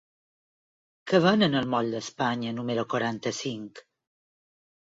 Què venen al moll d'Espanya número quaranta-cinc?